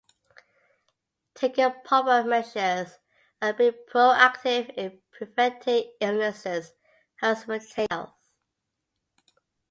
Taking proper measures and being proactive in preventing illnesses helps maintain good health.